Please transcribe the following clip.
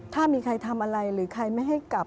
ถ้ามีใครทำอะไรหรือใครไม่ให้กลับ